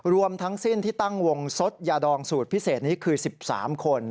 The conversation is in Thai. รวมทั้งสิ้นที่ตั้งวงสดยาดองสูตรพิเศษนี้คือ๑๓คน